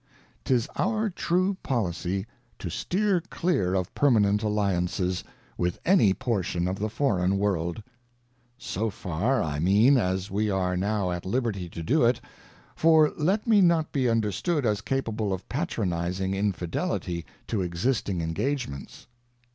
ŌĆö ^> 'Tis our true policy to steer clear of per manent alliances, with any portion of the foreign world ; ŌĆö so far, I mean, as we are now at liberty to do it ŌĆö for let me not be understood as capable of patronizing in fidelity to existing engagements.